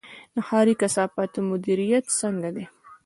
د ښاري کثافاتو مدیریت څنګه دی؟